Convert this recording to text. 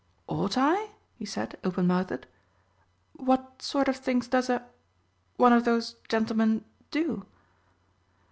"Ought I?" he said, open mouthed. "What sort of things does a one of those gentlemen do?"